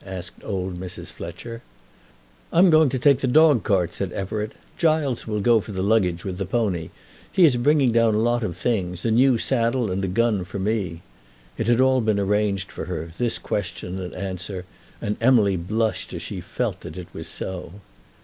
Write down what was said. asked old Mrs. Fletcher. "I'm going to take the dog cart," said Everett. "Giles will go for the luggage with the pony. He is bringing down a lot of things; a new saddle, and a gun for me." It had all been arranged for her, this question and answer, and Emily blushed as she felt that it was so.